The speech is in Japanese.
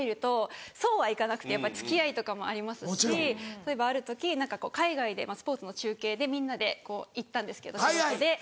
例えばある時海外でスポーツの中継でみんなで行ったんですけど仕事で。